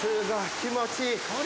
気持ちいい！